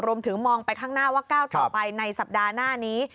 รวมถึงมองไปข้างหน้าว่าก้าวต่อไปในสัปดาห์หน้านี้